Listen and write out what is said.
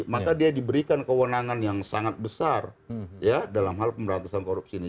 maka dia diberikan kewenangan yang sangat besar ya dalam hal pemberantasan korupsi ini